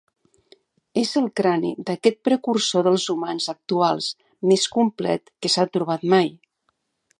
És el crani d'aquest precursor dels humans actuals més complet que s'ha trobat mai.